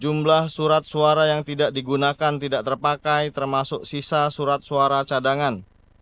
jumlah surat suara yang tidak digunakan tidak terpakai termasuk sisa surat suara cadangan